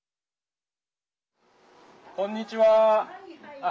こんにちは。